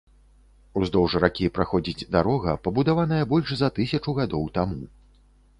Уздоўж ракі праходзіць дарога, пабудаваная больш за тысячу гадоў таму.